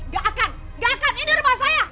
gak akan gak akan ini rumah saya